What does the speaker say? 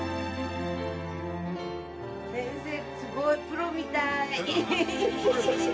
先生すごいプロみたい。